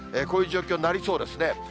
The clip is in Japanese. こういう状況になりそうですね。